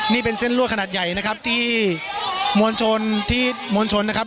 นี่เป็นเส้นรั่วขนาดใหญ่นะครับที่มวลชนที่มวลชนนะครับ